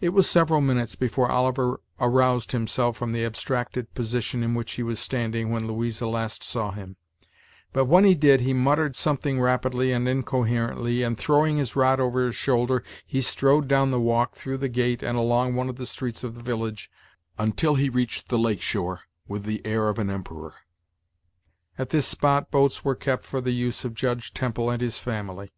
It was several minutes before Oliver aroused himself from the abstracted position in which he was standing when Louisa last saw him; but when he did, he muttered something rapidly and incoherently, and, throwing his rod over his shoulder, he strode down the walk through the gate and along one of the streets of the village, until he reached the lake shore, with the air of an emperor. At this spot boats were kept for the use of Judge Temple and his family.